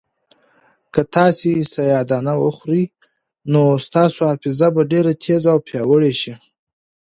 که تاسي سیاه دانه وخورئ نو ستاسو حافظه به ډېره تېزه او پیاوړې شي.